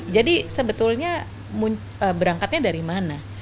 jadi sebetulnya berangkatnya dari mana